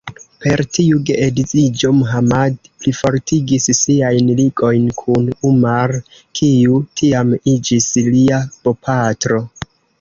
Per tiu geedziĝo, Muhammad plifortigis siajn ligojn kun Umar, kiu tiam iĝis lia bopatro.